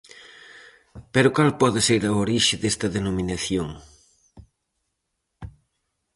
Pero cal pode ser a orixe desta denominación?